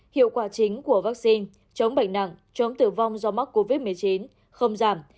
hiệu quả chính của vaccine chống bệnh nặng chống tử vong do mắc covid một mươi chín không giảm